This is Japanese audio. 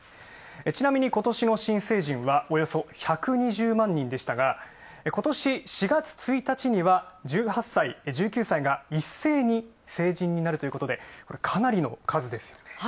ちなみに、ことしの新成人は、およそ１２０万人でしたがことし、４月１日には、１８歳、１９歳がいっせいに成人になるということで、かなりの数ですよね。